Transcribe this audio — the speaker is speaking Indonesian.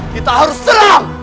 kita harus serang